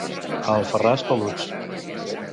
A Alfarràs, peluts.